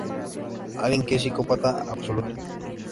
Alguien que es un psicópata absoluto.